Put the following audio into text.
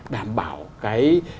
đảm bảo cái